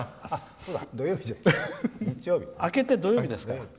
明けて土曜日ですか。